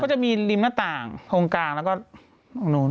จะมีริมหน้าต่างตรงกลางแล้วก็ตรงนู้น